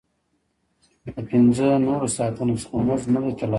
له پنځه نورو ساعتونو څخه مزد نه دی ترلاسه شوی